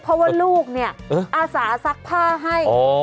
เพราะว่าลูกเนี่ยอาสาซักผ้าให้